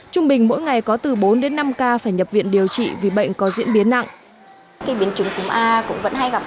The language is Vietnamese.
trung bình mỗi ngày có từ bốn đến năm ca phải nhập viện điều trị vì bệnh có diễn biến nặng